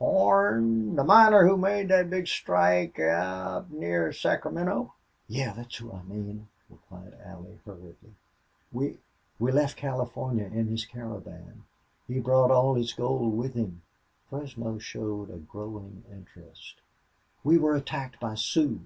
"Horn! The miner who made thet big strike out near Sacramento?" "Yes, that's who I mean," replied Allie, hurriedly. "We we left California in his caravan. He brought all his gold with him." Fresno showed a growing interest. "We were attacked by Sioux....